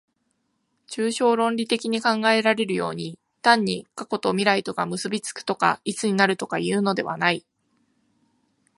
抽象論理的に考えられるように、単に過去と未来とが結び附くとか一になるとかいうのではない。